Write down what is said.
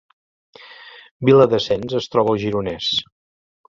Viladasens es troba al Gironès